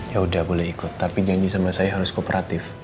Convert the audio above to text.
ya udah boleh ikut tapi janji sama saya harus kooperatif